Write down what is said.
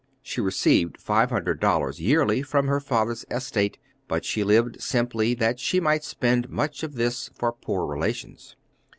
She received five hundred dollars yearly from her father's estate, but she lived simply, that she might spend much of this for poor relations.